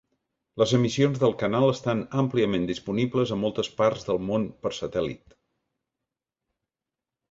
Les emissions del canal estan àmpliament disponibles a moltes parts del món per satèl·lit.